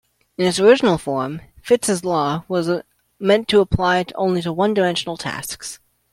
In its original form, Fitts's law is meant to apply only to one-dimensional tasks.